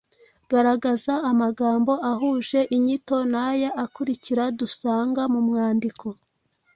Garagaza amagambo ahuje inyito n’aya akurikira dusanga mu mwandiko: